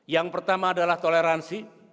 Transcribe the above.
yang pertama adalah toleransi